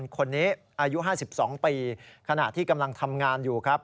คนนี้อายุ๕๒ปี